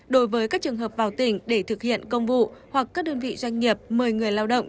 đối với các trường hợp vào tỉnh để thực hiện công vụ hoặc các đơn vị doanh nghiệp mời người lao động